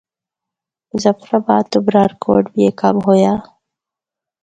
مظفرآباد تو برارکوٹ بھی اے کم ہویا۔